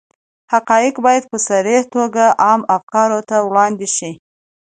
حقایق باید په صریحه توګه عامه افکارو ته وړاندې شي.